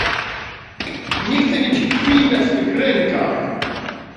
Nie chce mieć krwi na swych rękach!